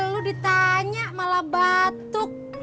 gue lo ditanya malah batuk